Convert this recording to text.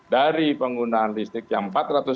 dari penggunaan listrik yang